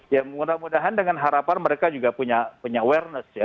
ya mudah mudahan dengan harapan mereka juga punya awareness ya